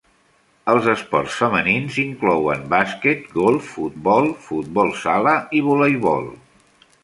Els esports femenins inclouen bàsquet, golf, futbol, futbol sala i voleibol.